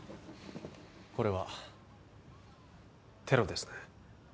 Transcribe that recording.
これはテロですね